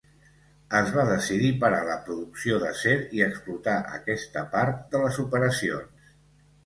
Es va decidir parar la producció d'acer i explotar aquesta part de les operacions.